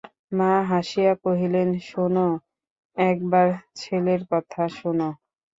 মা হাসিয়া কহিলেন, শোনো একবার ছেলের কথা শোনো।